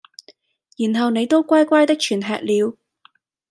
然後你都乖乖的全吃了。